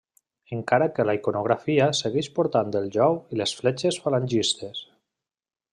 Encara que la iconografia segueix portant el jou i les fletxes falangistes.